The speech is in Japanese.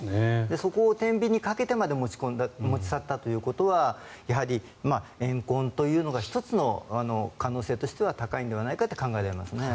そこをてんびんにかけてまで持ち去ったということはえん恨というのが１つの可能性としては高いのではないかと考えられます。